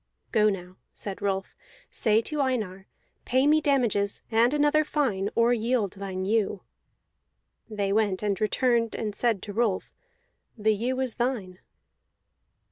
"Go now," said Rolf. "Say to Einar: 'Pay me damages and another fine, or yield thine ewe.'" They went and returned, and said to Rolf: "The ewe is thine."